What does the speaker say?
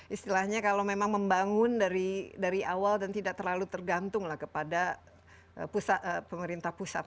istilahnya kalau memang membangun dari awal dan tidak terlalu tergantung kepada pemerintah pusat